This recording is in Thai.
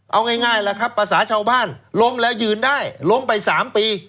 เอาง่ายแหละครับภาษาชาวบ้านล้มแล้วยืนได้ล้มไป๓ปี